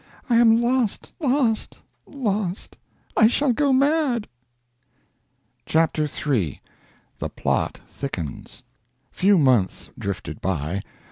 I am lost, lost, lost! I shall go mad!" CHAPTER III. THE PLOT THICKENS. Few months drifted by.